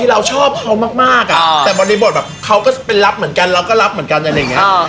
เพราะว่ามันจะเหลือเป็นหญิงแท้แต่เราเป็นกระทอย